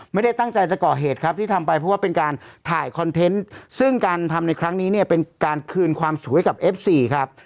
ไม่ได้ตั้งใจจะก่อเหตุครับที่ทำไปเพราะว่าเป็นการถ่ายคอนเทนต์ซึ่งการทำในครั้งนี้เนี่ยเป็นการคืนความสวยกับเอฟซีครับ